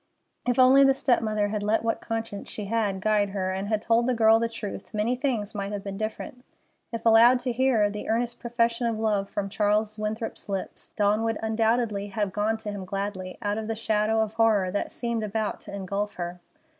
If only the step mother had let what conscience she had guide her, and had told the girl the truth, many things might have been different. If allowed to hear the earnest profession of love from Charles Winthrop's lips, Dawn would undoubtedly have gone to him gladly, out of the shadow of horror that seemed about to engulf her.